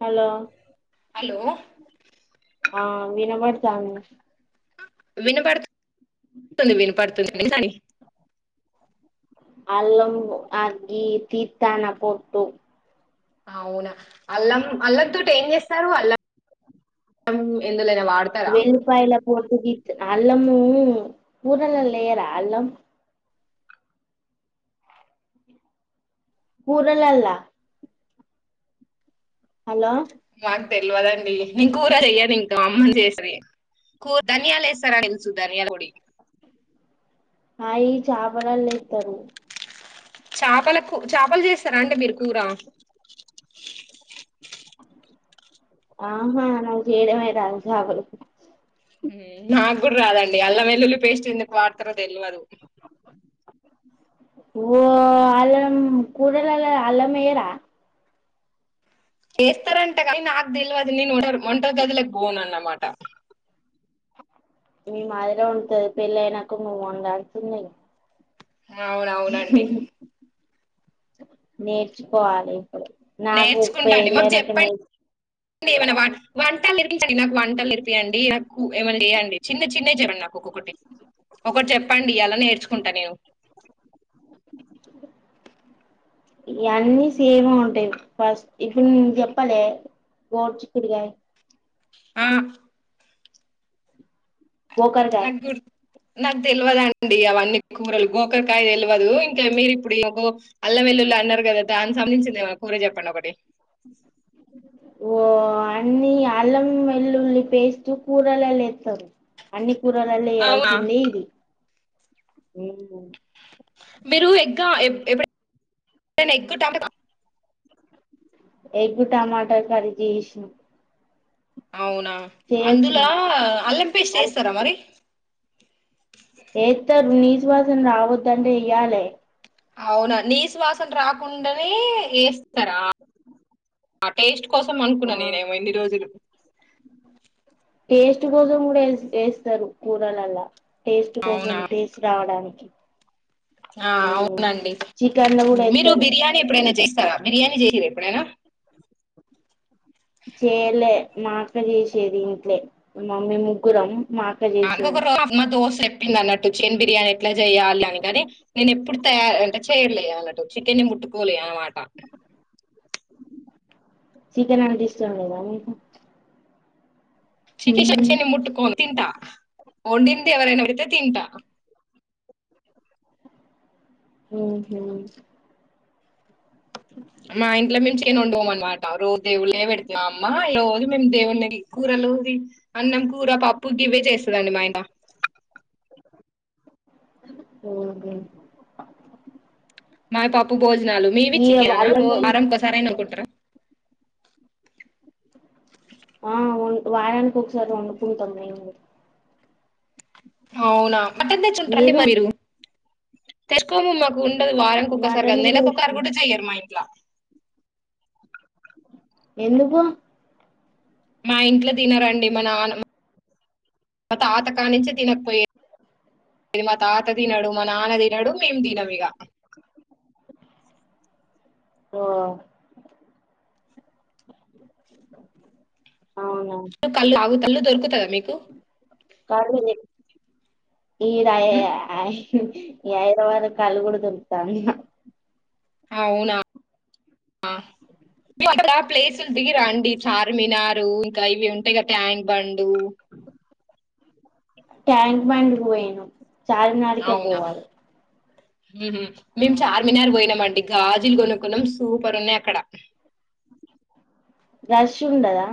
hello hello ఆ వినపడుతాంది వినపడుతు తుంది వినపడుతుంది వినండి అల్లం ఆగి తీతాన పోట్టు అవునా అల్లాం అల్లం తోటి ఏం చేస్తారు అల్ల వాడతారా వెల్లుపాయల పొట్టు తీస్తా అల్లము కూరలల లేయ రా అల్లం కూరల్లల హలో నాకు తెల్వదండి నేను కూర చెయ్యను ఇంకా అమ్మనే చేస్తది కూ ధన్యాలు ఏస్తారా సు ధనియాల పొడి అయి చాపలలు ఏస్తారు చేపలకు చేపలు చేస్తారాండి మీరు కూర ఆహా నాకు చేయడేమే రాదు చాపల కూర నాకు కూడా రాదండి అల్లం వెల్లుల్లి పేస్ట్ ఎందుకు వాడతారో తెల్వదు ఓ అల్లం కూరలల అల్లం వేయరా చేస్తారా అంట కానీ నాకు తెల్వద్ నేను వంట గది లో కి బోన్ అన్నమాట మీ మాదిర వండుతది పెళ్ళి అయినాక నువ్ వండాల్సిందే అవునవునండి నేర్చుకోవాలి ఇప్పుడు నాకు నేర్చుకుంటా ఉప్పే అండి మాకు పెళ్లయినాక చెప్పండి నే ఏమైనా వన్ వంట నాకు వంటలు నేర్పియండి నాకు ఏమన్నా చేయండి చిన్న చిన్న చెప్పండి నాకు ఒక్కొక్కటి ఒకటి చెప్పండి ఇయాలని నేర్చుకుంటా నేను ఇవన్నీ సేవ ఉంటాయి ఫస్ట్ ఇప్పుడు నేను చెప్పాలి గోడు చిక్కుడికాయ ఆ వోకగా నాకు గుర్- నాకు తెలియదుండి అవన్నీ కూరలు గోకరకాయ తెలియదు ఇంకా మీరు ఇప్పుడు అల్ల వెల్లుు అన్నారు కదా దాని సంబధించింది ఏమనా కూర చెప్పండి ఒకటి ఓ అన్ని అల్లం వెల్లుల్లి పేస్తూ కూరలు లే అన్ని కూరలలో అవునా వేయాల్సిందే ఇది మ్ మీరు ఎగా ఎప్పు ఎగ్ టమాటర్ క్రీ చే ఇసిను అవునా అందులో అల్లంపేస్ చేస్తారా మరి ఏతరు ఉనీస్ విశ్వాసం రావద్ అంటే అయ్యాలే అవునా నీస్వాసన రాకుండానే వేస్తారా టేస్ట్ కోసం ఆ అనుకున్నా నేనే ఏమైన్ని రోజులు అ టేస్ట్ కోసం కూడాే వేస్తారు కూరలలా టేస్ట్ కోసం అవునా టేస్ట్ రావడానికి ఆ అవునండి చికెన్ లో కూడా మీరు ఏత్తరు బిర్యానీ ఎప్పుడైనా చేస్త బిర్యానీ చేయద ఎప్పుడేనా చేయలే మాక్క చేసేది ఇంట్లే మమ్మీ ముగ్గురం మా అక్క అ చేసేది ఒక మా దోస చెప్పింది అన్నట్టు చికన్ బిర్యానీ ఎట్లా చెయాలి అనిగాని నేను ఎప్పుడు తయ అంటే చెయలేదు అన్నటు చికె ని ముట్టుకోలే అన్నమాట [inaudible] చికెన్ అపిస్తుండదా శకిషచ్చని ముట్టుకో తింటా వండిందే ఎవరేనాతే తింటా హ హ మా ఇంట్లో మేము చేయను ఉండం అనమాట రోజు దేవుళ్ళే పెడుతు అమ్మా ఈ రోజు మేము దేవుని కూరలోవి అన్నం కూర పప్పు గ ఇవే చేస్తదండి మాయన పోగ మాయ పాప్పు భోజనాలు మీవిచ్చికానా ఓ వాళ్ళమే వారంకోసర అనాకుంటరా ఆ వారానికి ఒకసారి ఉండుప్పుడు తొంభై మూడు అవునా అట్ట తెచ్చు ఉంటారండి మీరు తెర్కొము మకు గుం వారంనికి కుక్కసారిగా మటన్ అ కూడా నల తెచ్చు ఒక్కసారి కూడా చెయ్యరు మాై ఎందుకు మా ఇంట్లో తినరండి మా నాన్న మా తాత కాడ్ నుంచే తినకపోయేది మా తాత తినడు మా నాన్న తినడు మేము తినం ఇక ఓ అవునా కల్లు అగు కల్లు దొరుకుతయా మీకు కల్లు [unintelligible] ఈ ఉమ్ రాయయే అయ్ ఈ ఐదు వరకు కల్లు కూడా దొరుకుతై అన్నా అవునా [inaudible] ప్లేస్లు దిగిరాండి చార్మినార్ ఇంకా ఇవి ఉంటాయి కదా ట్యాంక్ బండు ట్యాంక్ మండ్కు పోయ్నామ్ చార్మినార్కే పోవాలి హ్మ్ హు మేము చార్మినార్ పోయినామండి గాజులు కొనుక్ కొన్నాం సూపరున్నాయి అక్కడ రష్ ఉండదా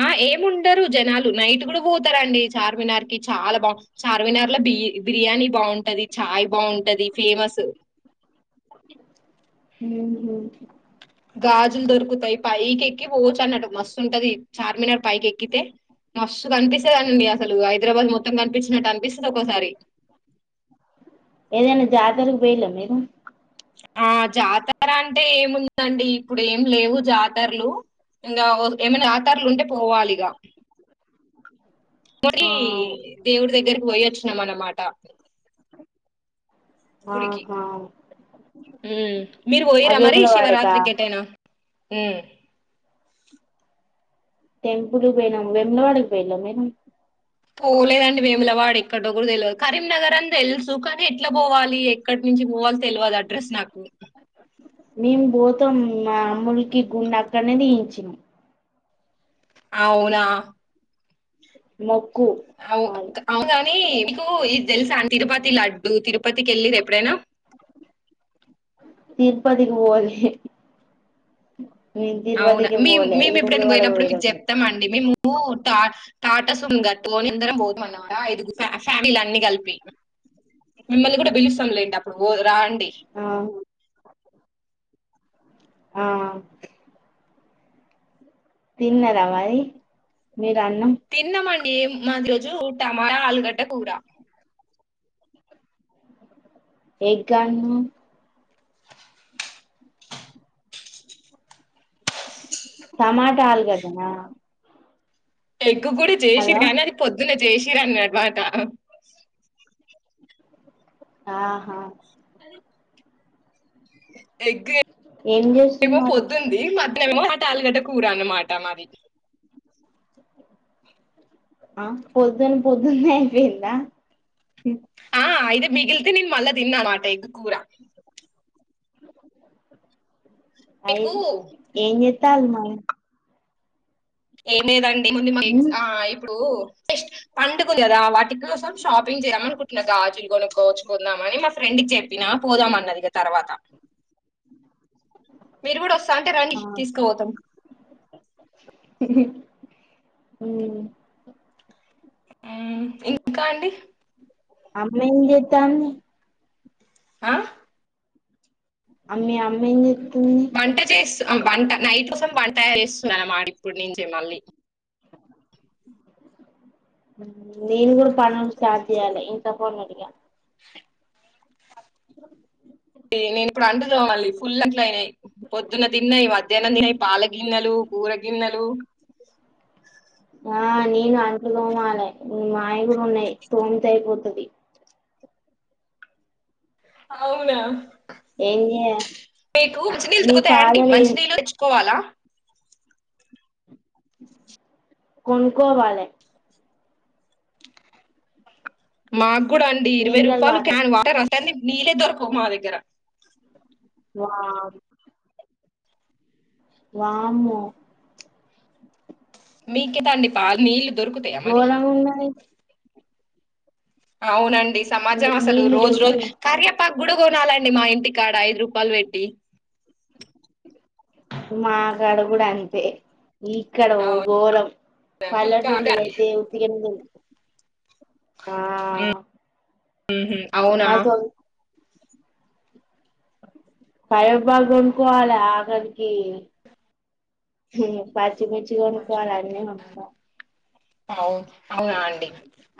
ఆ ఏమి ఉండరు జనాలు నైట్ కూడా పోతారండి చార్మినార్ కి చాలా బా చార్మినార్ లో బి బిర్యానీ బాగుంటది చాయ్ బాగుంటది ఫేమస్ మ్మ్ గాజులు దొరుకుతాయి పైకి ఎక్కి పోచు అన్నాటు మస్తు ఉంటది చార్మినార్ పైకి ఎక్కితే మస్సు కనిపిస్తుందినండి అసలు హైదరాబాద్ మొత్తం కనిపించినట్టు అనిపిస్తుంది ఒక్కోసారి కు పోయిళ్ల మీరు ఆ జాతర అంటే ఏముందండి ఇప్పుడు ఏం లేవు జాతరలు ఇంకా ఏమైనా జాతరలు ఉంటే పోవాలిగా మరి ఆ దేవుడు దగ్గరకి పోయి అచ్చు న మనమాట గుడికి ఆహా మ్మ్ మీరు ఆ పోయిరా మరి వేములవాడకా శివరాత్రి కేటైనా మ్మ్ టెంపుల్ పోయినాము వెములవాడకి పోయిళం మేము పోలేదండి వేముల వాడు ఎక్కడోకుడ తెలియదు కరీంనగర్ అని తెలుసు కానీ ఎట్లా పోవాలి ఎక్కడి నుంచి పోవాలి తెలియదు అడ్రస్ నాకు మేము భూతం మా అమ్మలకి గుండ అక్కడనే తీయించాం అవునా మొ అవు అవుగాని మీకు ఇది తెలుస అన్ తిరుపతి లడ్డు తిరుపతికి ఎళ్ళిరా ఎప్పుడైనా తిరుపతి కి పోలే మేము అవునా తిరుపతికి మే పోలే మేము ఎప్పుడైనా వేములవాడకి పోయినప్పుడు మీకు పోయినం మేము చెప్తామండి మేము టా టాట సుమో [unintelligible] పోత అన్నమాట ఫ్యామిలీ అన్ని కలిపి మిమ్మల్ని కూడా బిలుస్తా లేండి అప్పుడు పోదు రాండి ఆ ఆ తిన్న రా మరి మీరు అన్నం ఏమ్ మాదిరోజు టమాట ఆలుగడ్డ కూర ఎగ్గన్నావ్ టమాటా ఆలుగడ్డాన ఎగ్ గ్ కూడ చేసిరు గానీ అది పొద్దు జేసిరన్ గడ్బట ఆహా ఎగ్ ఏం ఏమో చేస్తున్నారు పొద్దుంది మ టమాటాలుగడ్డ కూర అనమాట మాది ఆ పొద్దున పొద్దున్నే అయిపోయిందా ఆ ఇది మిగిలితే నేను మళ్ళ తిన్నామాట ఎగ్ కూర మీకు అయింది ఏన్ చేత్తల్ మరి ఏంలేదండ్ ముందిమ ఎగ్ ఉమ్ ఆ ఇప్పుడు జస్ట్ పండుగ కదా వాటి కోసం షాపింగ్ చేయమ అనుకుంటున్నా గాజులు కొనుక్కోచుకుందామని మా ఫ్రెండ్కి చెప్పినా పోదాం అన్నదిక తర్వాత మీరు కూడా వస్ స్థాంటే రండి ఆ తీసుకుపోతాం మ్మ్ మ్మ్ ఇంకా అండి అమ్మేం చేత్తంది ఆ అమ్మీ అమ్మెంచే వంట చేస్ వంట నైట్ తమ్ వంట చేస్తుందన్నమాట ఇప్పుడు నుంచి మళ్ళీ నేను కూడ పనులు స్టార్ట్ చేయాలి ఇంకా ఫోన్ అ నేను ఇప్పుడు అంట్లు ఫుల్ అట్ల అయినాయి పొద్దున్న తిన్నాయి మధ్యాహ్నం తిన్నాయి పాల గిన్నెలు కూర గిన్నెలు ఆ నేను అంట్లు తోమలే మాయగుడు ఉన్నాయి తోమితే అయిపోతది అవునా ఏం చేయ మీకు మంచి నీలు మీ దొకుతాయండి ఫాదర్ మంచి ఏం నీళ్ళు తెచ్చుకోవాలా కొనుకోవాలె మా కూడ అండి ఇరవై రూపాయలు క్యాన్ వాటర్ అస్ టని నీళ్లేే దొరకవు మా దగ్గర వా వామ్మో మీకే దాండి పాలు నీళ్లు దొరుకుతాయా మరి ఘోరంగా ఉన్నది అవునన్ డి సమాజం నీ అసలు నీళ్లు రోజు రోజు దొరుకుతున్ కాని అక్ పగ్గుడు కొనాలండి మా ఇంటికి కాడ ఐదు రూపాయలు పెట్టి మాకాడ కూడా అంతే ఇక్కడ ఓ అవునా ఘోరం మీకా పల్లెటూర్లలో అయితే ఉత్తిగనే దొరుకుత ఆ మ్మ్ హ్మ్ అవునా మా సొం పైరు బాగా కొనుకోవాలి అక్కడికి పై అవును అవునా అండి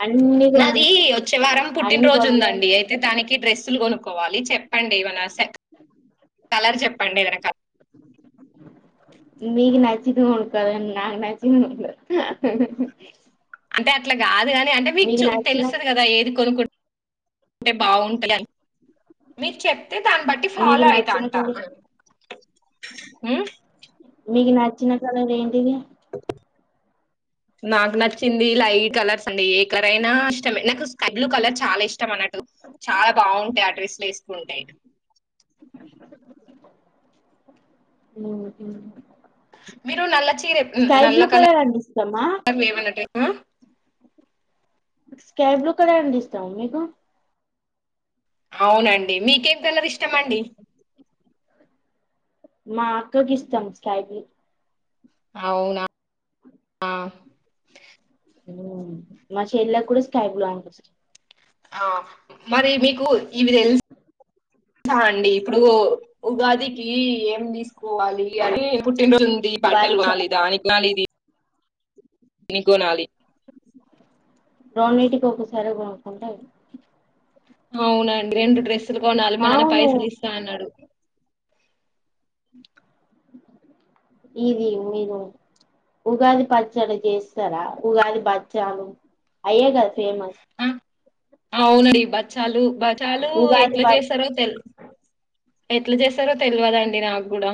అన్ని కొన నాది వచ్చే వారం అన్ని పుట్టినరోజు కొనలే ఉందండి అయితే తానికి ఈ డ్రెస్సులు కొనుకోవాలి చెప్పండి ఏమైనా సేక్ కలర్ చెప్పండి ఏదైనా మీకు నచ్చిది కొనుకోవాలి నాకు నచ్చిది అంటే అట్లా కాదు గానీ అంటే మీకు చూ నచ్చిన తెలుస్తది కదా ఏది కొనుకుంట అంటే బాగుంటాల మీరు చెప్తే దాన్ని బట్టి మీకు ఫాలో ఐతా నచ్చిన అంట కలర్ ఉ మీకి నచ్చిన కలర్ ఏంటిది నాకు నచ్చింది లై కలర్స్ అండి ఏ కలర్ అయినా ఇష్టం నాకు స్కై బ్లూ కలర్ చాలా ఇష్టం అన్నట్టు చాలా బాగుంటాయి ఆ డ్రెస్ లు వేసుకుంటే అహా మీరు నల్ల చీర నల్ల కలర్ అంటే ఇష్టమా ఏమన్నట్మా స్కై బ్లూ కలర్ అంటే ఇష్టమా మీకు అవునండి మీకేం కలర్ ఇష్టం అండి మా అక్కకి ఇష్టం స్కై బ్లూ అవునా ఆ మా చెల్లా కూడా స్కై బ్లూ అంటే ఇష్టం ఆ మరి మీకు ఇవి తెలుస్ హ అండి ఇప్పుడు ఉగాదికి ఏ ఉన్నిస్ కోవాలి అది పుట్టినరోజు ఉంది బట్టలు బాద్షా కోనాలి దానికి నాలి ది నీకు కోనాలి రొండిటికి ఒకసారె కొనుక్కుంటె అయిపోయ అవునండి రెండు డ్రెస్సులు కోనాలి మానాన్న అవును పైసలు ఇస్తా అన్నాడు ఇది మీరు ఉగాది పచ్చడి చేస్తారా ఉగాది బచ్చలు అయ్యే కదా ఫేమస్ ఆవును అయి బచ్చాలు బచ్ చాలు ఉగాది ఎట్లా బ చేస్తారో తెల్ ఎట్ల చేస్తారో తెలువదు అండి నాకు గుడా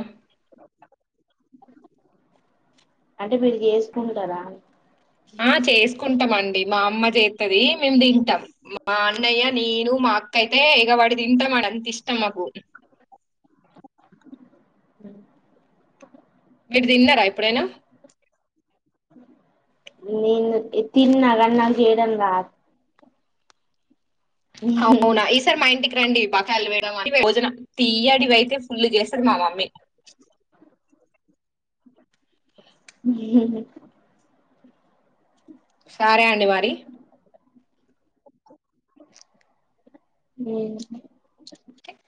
అంటే మీరు చేసుకుంటారా అని ఆ చేసుకుంటామండి మా అమ్మ చేత్తది మేము తింటాం మా అన్నయ్య నేను మా అక్క అయితే ఎగవడి తిన్ తింటాం ఆడ అంత ఇష్టం మాకు మీరు తిన్నారా ఎప్పుడైనా నేను తిన్నా గాని నాకు చేయడం రాదు అవునా ఈసారీ మా ఇంటికి రండి బకాల్ వేడుదాం అన్ని వేడుతాం భోజనా తీయ్యడివి అయితే ఫుల్ చేస్తది మా మమ్మీ రాదు సారే అండి మరి ఉమ్